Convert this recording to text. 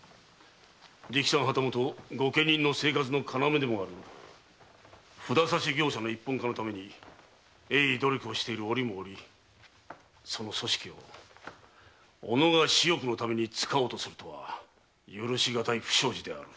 直参旗本御家人の生活の要でもある札差業者の一本化のために鋭意努力をしている折も折その組織を己が私欲のために使おうとするとは許しがたい不祥事である。